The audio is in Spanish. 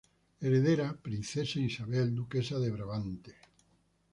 Heredera: Princesa Isabel, duquesa de Brabante.